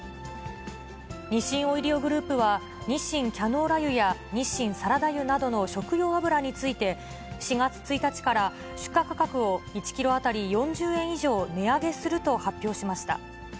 日清オイリオグループは、日清キャノーラ油や日清サラダ油などの食用油について、４月１日から、出荷価格を１キロ当たり４０円以上値上げすると発表しました。